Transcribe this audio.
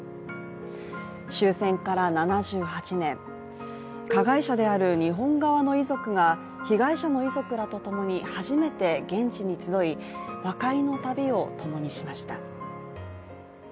終戦から７８年、加害者である日本側の遺族が被害者の遺族らとともに初めて現地に集い和解の旅を共にしました。